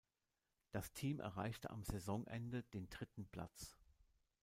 Das Team erreichte am Saisonende den dritten Platz.